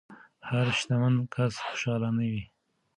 هر شتمن کس خوشحال نه وي.